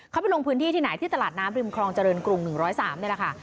เขาไปลงพื้นที่ที่ไหนที่ตลาดน้ำริมคลองเจริญกรุง๑๐๓นี่แหละค่ะ